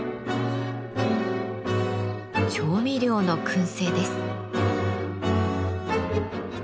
調味料の燻製です。